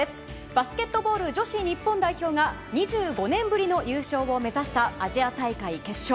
バスケットボール女子日本代表が２５年ぶりの優勝を目指したアジア大会決勝。